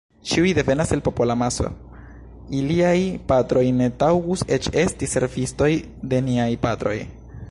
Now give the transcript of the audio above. Ĉiuj devenas el popolamaso, iliaj patroj ne taŭgus eĉ esti servistoj de niaj patroj.